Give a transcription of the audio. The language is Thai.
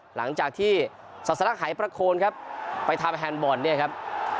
หลังจากที่ศาสลักหายประโคนครับไปทำแฮนด์บอลเนี่ยครับ